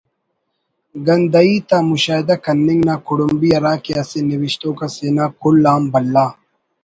گندہی تا مشاہدہ کننگ نا کڑمبی ہرا کہ اسہ نوشتوک اسے نا کل آن بھلا